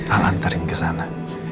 aku anterin ke sana